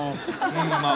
うんまぁ